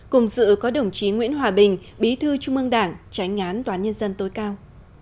cùng sự có đồng chí nguyễn hòa bình bí thư trung mương đảng trái ngán toán nhân dân tối cao